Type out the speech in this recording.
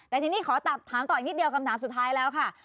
แต่ทีนี้ขอถามต่ออีกนิดเดียวคำถามสุดท้ายแล้วค่ะ